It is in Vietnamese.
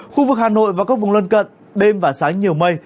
khu vực hà nội và các vùng lân cận đêm và sáng nhiều mây